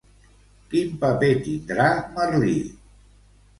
Quin paper tindrà Merlí?